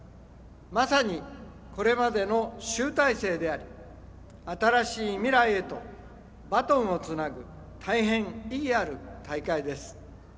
正に、これまでの集大成であり新しい未来へとバトンをつなぐ大変意義ある大会です。